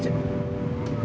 kita pergi dulu